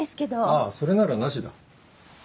あそれならなしだ。